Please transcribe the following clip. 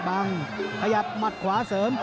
ขยับหมัดขวาเสริม